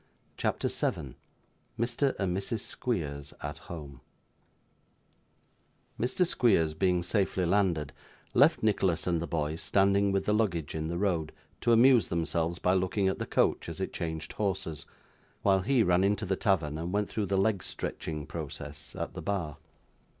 CHAPTER 7 Mr. and Mrs. Squeers at Home Mr. Squeers, being safely landed, left Nicholas and the boys standing with the luggage in the road, to amuse themselves by looking at the coach as it changed horses, while he ran into the tavern and went through the leg stretching process at the bar.